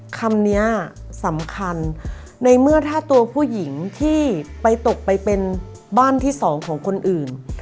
คำนี้สำคัญในเมื่อถ้าตัวผู้หญิงที่ไปตกไปเป็นบ้านที่สองของคนอื่น